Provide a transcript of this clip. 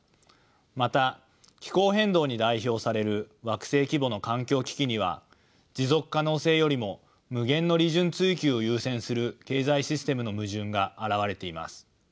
また気候変動に代表される惑星規模の環境危機には持続可能性よりも無限の利潤追求を優先する経済システムの矛盾が現れています。